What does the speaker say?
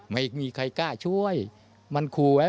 ไม่มีใครกล้าช่วยมันขู่ไว้